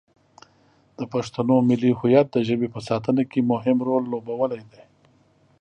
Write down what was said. د پښتنو ملي هویت د ژبې په ساتنه کې مهم رول لوبولی دی.